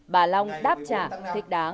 bà long đáp trả thích đáng